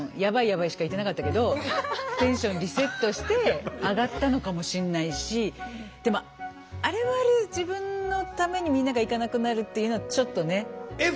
ヤバいしか言ってなかったけどテンションリセットして上がったのかもしんないしでもあれはあれで自分のためにみんなが行かなくなるっていうのはちょっとね。笑